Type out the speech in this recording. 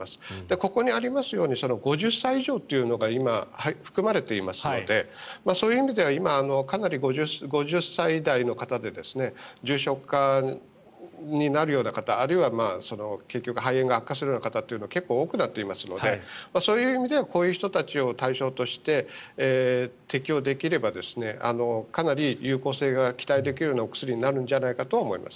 ここにありますように５０歳以上というのが今、含まれていますのでそういう意味ではかなり５０歳代の方で重症化になるような方あるいは肺炎が悪化するような方が結構多くなっていますのでそういう意味でこういう人たちを対象として適用できればかなり有効性が期待できるお薬になるんじゃないかと思います。